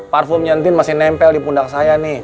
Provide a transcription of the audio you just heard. parfumnya entin masih nempel di pundak saya nih